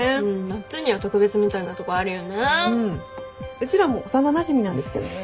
うちらも幼なじみなんですけどね。